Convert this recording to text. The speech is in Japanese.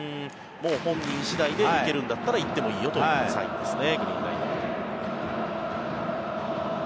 本人次第で行けるんだったら行ってもいいよというサインですね。